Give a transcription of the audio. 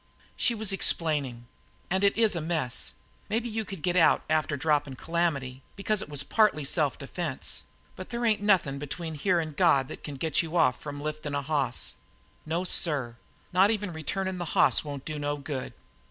She was explaining: "And it is a mess. Maybe you could get out after droppin' Calamity, because it was partly self defence, but there ain't nothin' between here and God that can get you off from liftin' a hoss. No, sir, not even returning the hoss won't do no good.